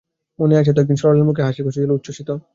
মনে তো আছে একদিন সরলার মুখে হাসিখুশি ছিল উচ্ছ্বসিত।